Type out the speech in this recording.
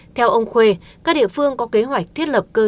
theo ông khuê các địa phương có kế hoạch thiết lập cơ sở y tế